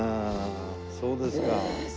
そうですか。